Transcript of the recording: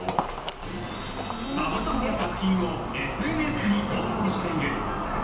さまざまな作品をＳＮＳに投稿している。